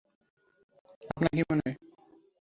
আপনার কী মনে হয়?